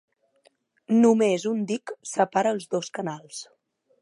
Només un dic separa els dos canals.